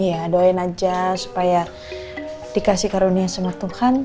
iya doain aja supaya dikasih karunia sama tuhan